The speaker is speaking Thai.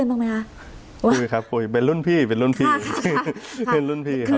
คุยครับเป็นรุ่นพี่เป็นรุ่นพี่